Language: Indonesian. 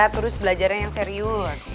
terus belajarnya yang serius